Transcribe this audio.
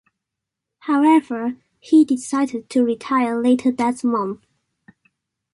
However, he decided to retire later that month.